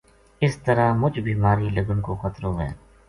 اس طرح مچ بیماری لگن کو خطرو وھے“